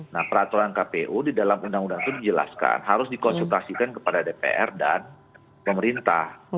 nah peraturan kpu di dalam undang undang itu dijelaskan harus dikonsultasikan kepada dpr dan pemerintah